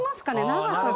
長さが。